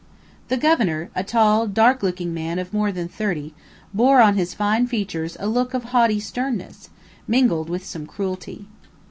The governor, a tall, dark looking man of more than thirty, bore on his fine features a look of haughty sternness, mingled with some cruelty.